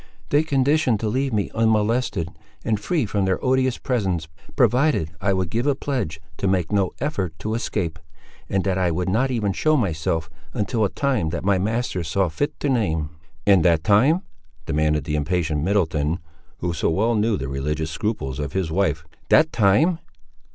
"They conditioned to leave me unmolested, and free from their odious presence, provided I would give a pledge to make no effort to escape; and that I would not even show myself, until a time that my masters saw fit to name." "And that time?" demanded the impatient Middleton, who so well knew the religious scruples of his wife—"that time?"